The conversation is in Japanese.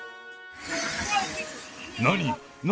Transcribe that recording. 何？